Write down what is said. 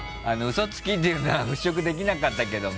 嘘つきっていうのは払拭できなかったけども。